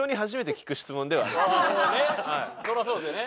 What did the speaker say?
そりゃそうですよね。